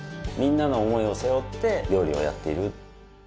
みんなの思いを背負って料理をやってる。